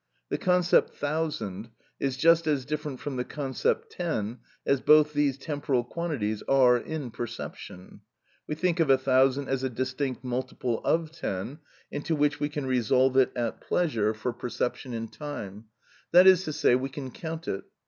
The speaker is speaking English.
The concept "thousand" is just as different from the concept "ten," as both these temporal quantities are in perception. We think of a thousand as a distinct multiple of ten, into which we can resolve it at pleasure for perception in time,—that is to say, we can count it.